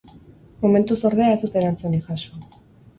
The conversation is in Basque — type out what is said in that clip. Momentuz, ordea, ez dute erantzunik jaso.